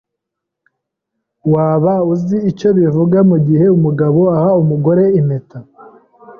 Waba uzi icyo bivuze mugihe umugabo aha umugore impeta?